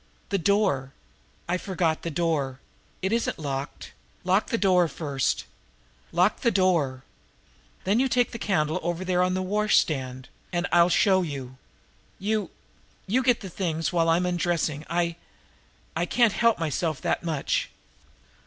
"The door! I forgot the door! It isn't locked! Lock the door first! Lock the door! Then you take the candle over there on the washstand, and and I'll show you. You you get the things while I'm undressing. I I can help myself that much."